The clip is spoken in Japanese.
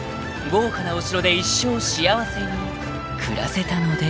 豪華なお城で一生幸せに暮らせたので］